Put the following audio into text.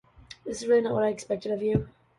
This really is not what I expected of you!